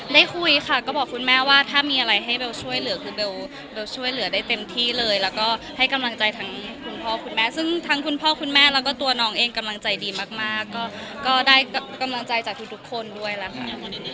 ได้คุยค่ะก็บอกคุณแม่ว่าถ้ามีอะไรให้เบลช่วยเหลือคือเบลช่วยเหลือได้เต็มที่เลยแล้วก็ให้กำลังใจทั้งคุณพ่อคุณแม่ซึ่งทั้งคุณพ่อคุณแม่แล้วก็ตัวน้องเองกำลังใจดีมากก็ได้กำลังใจจากทุกคนด้วยล่ะค่ะ